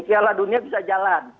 piala dunia bisa jalan